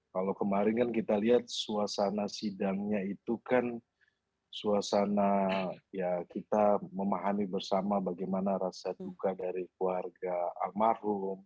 kalau kemarin kan kita lihat suasana sidangnya itu kan suasana ya kita memahami bersama bagaimana rasa duka dari keluarga almarhum